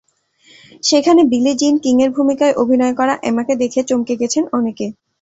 সেখানে Billie Jean কিংয়ের ভূমিকায় অভিনয় করা এমাকে দেখে চমকে গেছেন অনেকে।